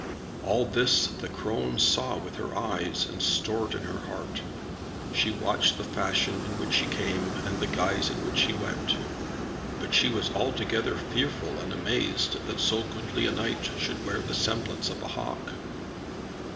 All this the crone saw with her eyes, and stored in her heart. She watched the fashion in which he came, and the guise in which he went. But she was altogether fearful and amazed that so goodly a knight should wear the semblance of a hawk.